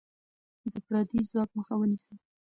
د پردی ځواک مخه ونیسه.